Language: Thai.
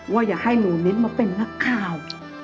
ว่าอย่าให้หนูนี้มาเป็นรักข้าว